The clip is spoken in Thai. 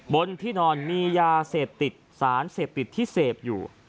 บนที่นอนมียาเสพติดสารเสพติดที่เสพอยู่